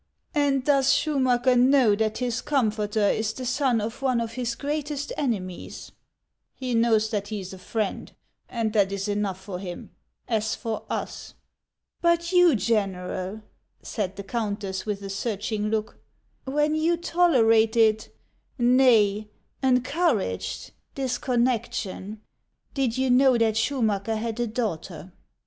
80 HANS OF ICELAND. " And does Schumacker know that his comforter is the son of one of his greatest enemies ?"" He knows that he is a friend, and that is enough for him, as for us." " But you, General," said the countess, with a searching look, "when you tolerated — nay, encouraged — this con nection, did you know that Schumacker had a daughter